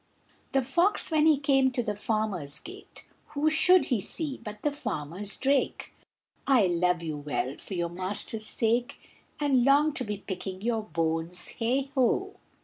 The fox when he came to the farmer's gate, Who should he see but the farmer's drake; "I love you well for your master's sake, And long to be picking your bones, e ho!"